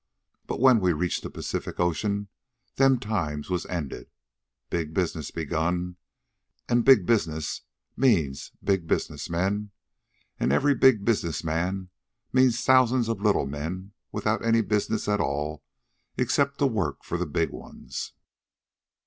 But when we reached the Pacific Ocean them times was ended. Big business begun; an' big business means big business men; an' every big business man means thousands of little men without any business at all except to work for the big ones.